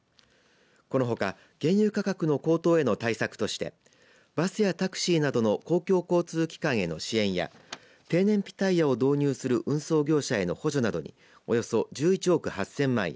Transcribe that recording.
このほか原油価格の高騰への対策としてバスやタクシーなどの公共交通機関への支援や低燃費タイヤを導入する運送業者への補助などにおよそ１１億８０００万円